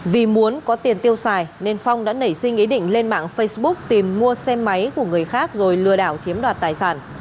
vì muốn có tiền tiêu xài nên phong đã nảy sinh ý định lên mạng facebook tìm mua xe máy của người khác rồi lừa đảo chiếm đoạt tài sản